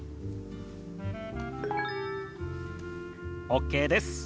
ＯＫです。